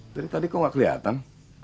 dari tadi kok gak keliatan